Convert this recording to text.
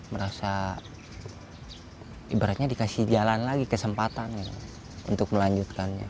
merasa ibaratnya dikasih jalan lagi kesempatan untuk melanjutkannya